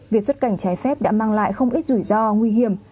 việc xuất cảnh trái phép đã mang lại không ít rủi ro nguy hiểm